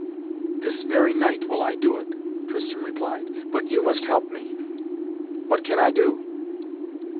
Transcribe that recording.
"This very night will I do it," Tristan replied. "But you must help me." "What can I do?"